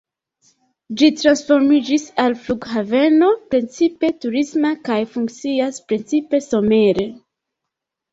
Ĝi transformiĝis al flughaveno precipe turisma kaj funkcias precipe somere.